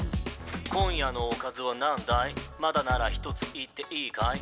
今夜のおかずは何だいまだなら一つ言っていいかい？